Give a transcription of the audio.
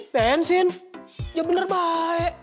bensin ya bener baik